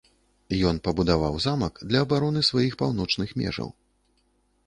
Ён пабудаваў замак для абароны сваіх паўночных межаў.